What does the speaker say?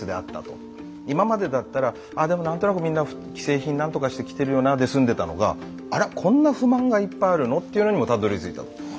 今までだったらでも何となくみんな既製品何とかして着てるよなで済んでたのがあらこんな不満がいっぱいあるの？っていうのにもたどりついた。